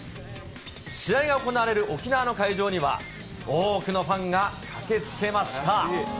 試合が行われる沖縄の会場には、多くのファンが駆けつけました。